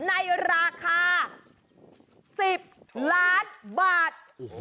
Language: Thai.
ในราคา๑๐ล้านบาท